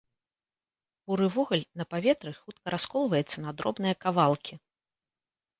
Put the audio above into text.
Буры вугаль на паветры хутка расколваецца на дробныя кавалкі.